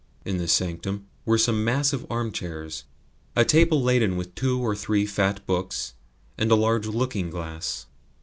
In this sanctum were some massive armchairs, a table laden with two or three fat books, and a large looking glass.